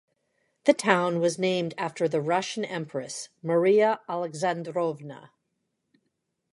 The town was named after the Russian empress Maria Alexandrovna.